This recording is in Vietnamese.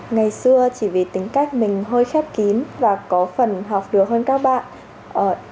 ngày xưa chỉ vì tính cách mình hơi khép kín và có phần học được hơn các bạn